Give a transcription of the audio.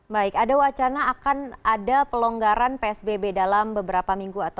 baik ada wacana akan ada pelonggaran psbb dalam beberapa minggu